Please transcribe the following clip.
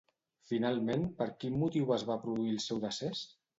Finalment, per quin motiu es va produir el seu decés?